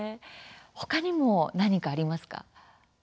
他にも何かありますか。